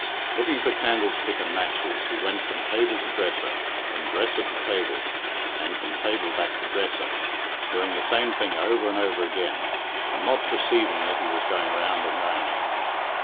Looking for candlestick and matches, he went from table to dresser, from dresser to table, and from table back to dresser, doing the same thing over and over again, and not perceiving that he was going round and round.